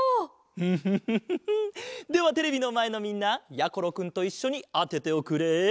フフフフフではテレビのまえのみんなやころくんといっしょにあてておくれ。